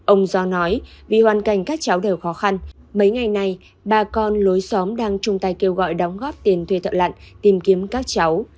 ông do nói vì hoàn cảnh các cháu đều khó khăn mấy ngày nay bà con lối xóm đang chung tay kêu gọi đóng góp tiền thuê thợ lặn tìm kiếm các cháu